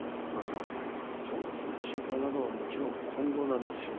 心配なのはもちろん今後なんですよね。